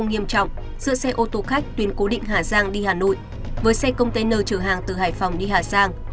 giữa xe ô tô khách tuyến cố định hà giang đi hà nội với xe công tên n trở hàng từ hải phòng đi hà giang